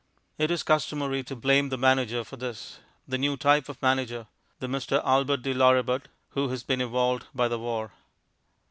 It is customary to blame the manager for this the new type of manager, the Mr. Albert de Lauributt who has been evolved by the war.